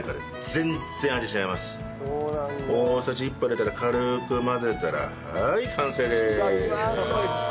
大さじ１杯入れたら軽く混ぜたらはい完成です。